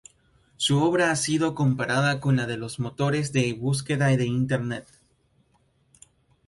Su obra ha sido comparada con la de los motores de búsqueda de internet.